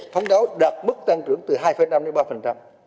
phóng đáo đạt mức tăng trưởng từ hai năm đến ba